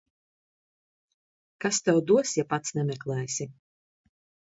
Kas tev dos, ja pats nemeklēsi.